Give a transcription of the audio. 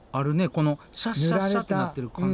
このシャッシャッシャッてなってる感じの。